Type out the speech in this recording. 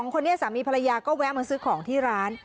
คนนี้สามีภรรยาก็แวะมาซื้อของที่ร้าน